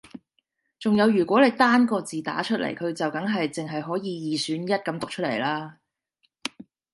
仲有如果你單個字打出嚟佢就梗係淨係可以二選一噉讀出嚟啦